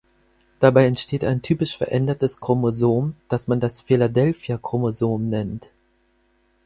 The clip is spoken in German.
Dabei entsteht ein typisch verändertes Chromosom, das man das Philadelphia-Chromosom nennt.